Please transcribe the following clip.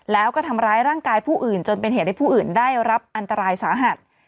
แล้วก็ทำร้ายร่างกายผู้อื่นจนเป็นเหตุให้ผู้อื่นได้รับอันตรายสาหัส